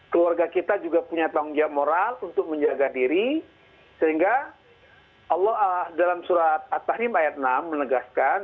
keluarga kita juga punya tanggung jawab moral untuk menjaga diri sehingga allah dalam surat at tahim ayat enam menegaskan